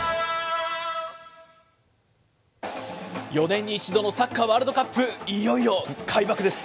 ４年に１度のサッカーワールドカップ、いよいよ開幕です。